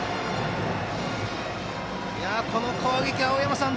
この攻撃は青山さん